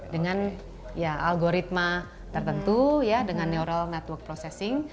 dengan ya algoritma tertentu ya dengan neural network processing